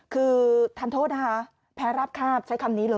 คือทันโทษนะคะแพ้ราบคาบใช้คำนี้เลย